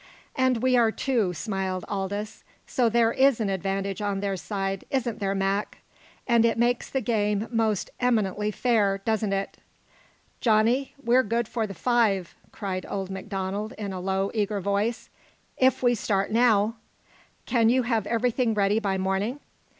"And we are two," smiled Aldous. "So there is an advantage on their side, isn't there, Mac? And it makes the game most eminently fair, doesn't it?" "Johnny, we're good for the five!" cried old Donald in a low, eager voice. "If we start now " "Can you have everything ready by morning?"